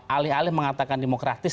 alih alih mengatakan demokratis